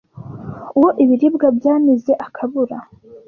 uwo ibirwa byamize akabura